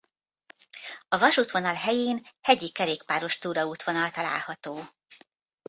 A vasútvonal helyén hegyi kerékpáros túraútvonal található.